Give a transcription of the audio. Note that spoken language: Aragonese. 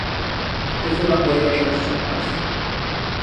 No te feban goyo aqueras sopas?